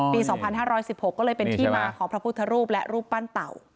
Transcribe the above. ปีสองพันห้าร้อยสิบหกก็เลยเป็นที่มาของพระพุทธรูปและรูปปั้นเต่าอ๋อ